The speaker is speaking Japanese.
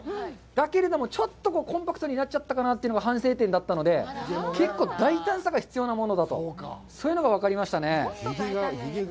だけれどもちょっとコンパクトになっちゃったかなというのが反省点だったので結構大胆さが必要なものだとそういうのが分かりましたね。